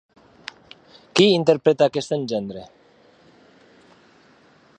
Qui interpreta aquest engendre?